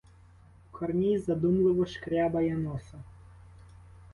Корній задумливо шкрябає носа.